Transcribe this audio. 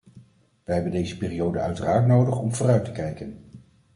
We hebben deze periode uiteraard nodig om vooruit te kijken.